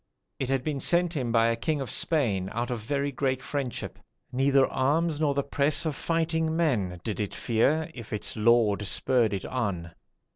It had been sent him by a king of Spain, out of very great friendship. Neither arms nor the press of fighting men did it fear, if its lord spurred it on.